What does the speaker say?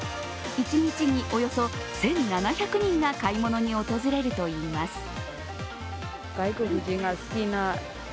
一日におよそ１７００人が買い物に訪れるといいます。